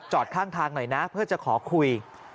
ข้างทางหน่อยนะเพื่อจะขอคุย